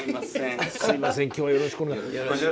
すいません今日はよろしくお願いします。